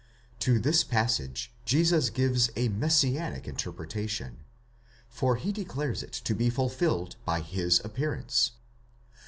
To this passage Jesus gives a messianic interpretation, for he declares it to be ful filled by his appearance.